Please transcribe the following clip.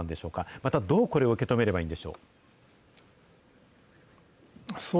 またどうこれを受け止めればいいんでしょう。